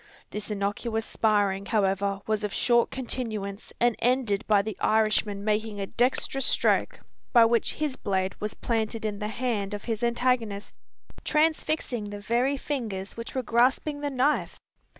This innocuous sparring, however, was of short continuance and ended by the Irishman making a dexterous stroke, by which his blade was planted in the hand of his antagonist, transfixing the very fingers which were grasping the knife!